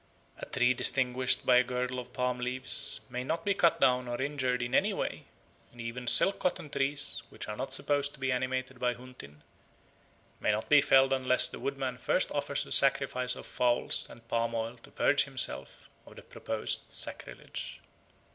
A tree distinguished by a girdle of palm leaves may not be cut down or injured in any way; and even silk cotton trees which are not supposed to be animated by Huntin may not be felled unless the woodman first offers a sacrifice of fowls and palm oil to purge himself of the proposed sacrilege.